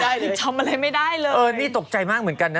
สามารถพาใครเลยทำไมได้เลยเออนี่ตกใจมากเหมือนกันนะ